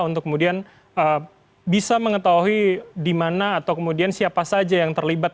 untuk kemudian bisa mengetahui di mana atau kemudian siapa saja yang terlibat